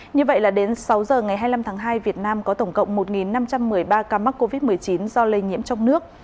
như vậy là đến sáu giờ ngày hai mươi năm tháng hai việt nam có tổng cộng một năm trăm một mươi ba ca mắc covid một mươi chín do lây nhiễm trong nước